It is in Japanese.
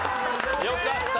よかった。